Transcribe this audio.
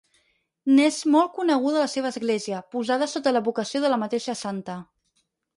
N'és molt coneguda la seva església, posada sota l'advocació de la mateixa Santa.